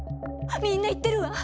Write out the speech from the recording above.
みんな言ってるわ。